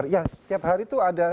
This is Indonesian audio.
ya tiap hari itu ada